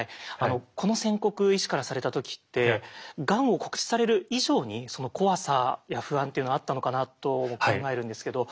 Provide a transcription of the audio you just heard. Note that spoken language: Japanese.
この宣告医師からされた時ってがんを告知される以上に怖さや不安っていうのはあったのかなと考えるんですけど。